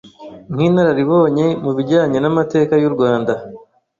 nk’inararibonye mu bijyanye n’amateka y’u Rwanda,